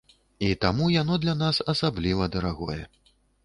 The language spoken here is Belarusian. І таму яно для нас асабліва дарагое.